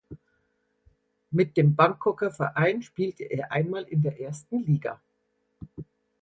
Mit dem Bangkoker Verein spielte er einmal in der ersten Liga.